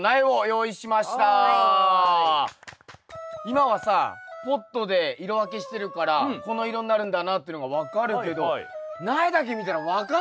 今はさポットで色分けしてるからこの色になるんだなっていうのが分かるけど苗だけ見たら分かんないね。